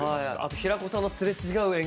平子さんのすれ違う演技